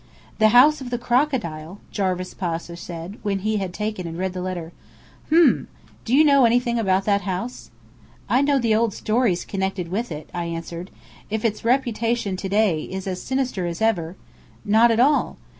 "The House of the Crocodile," Jarvis Pasha said, when he had taken and read the letter. "H'm! Do you know anything about that house?" "I know the old stories connected with it," I answered. "If it's reputation to day is as sinister as ever ." "Not at all.